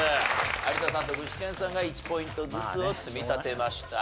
有田さんと具志堅さんが１ポイントずつを積み立てました。